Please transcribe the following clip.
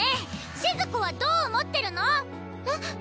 ⁉しず子はどう思ってるの！え？